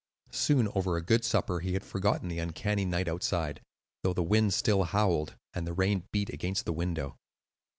Soon, over a good supper, he had forgotten the uncanny night outside, though the wind still howled and the rain beat against the window.